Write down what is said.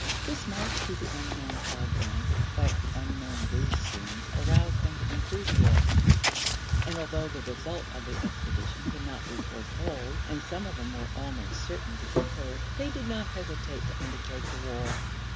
This march through the unknown Fog Bank to fight the unknown Blueskins aroused them to enthusiasm, and although the result of the expedition could not be foretold and some of them were almost certain to get hurt, they did not hesitate to undertake the war.